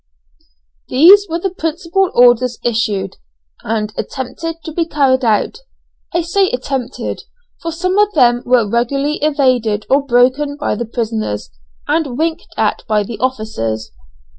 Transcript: These were the principal orders issued, and attempted to be carried out. I say attempted, for some of them were regularly evaded or broken by the prisoners, and winked at by the officers.